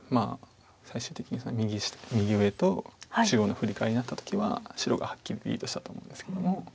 最終的に右上と中央のフリカワリになった時は白がはっきりリードしたと思うんですけども。